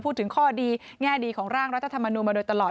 พูดถึงข้อดีแง่ดีของร่างรัฐธรรมนูลมาโดยตลอด